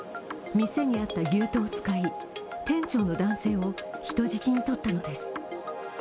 店にあった牛刀を使い店長の男性を人質にとったのです。